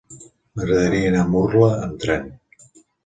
M'agradaria anar a Murla amb tren.